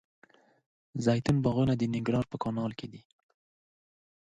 زیتون باغونه د ننګرهار په کانال کې دي.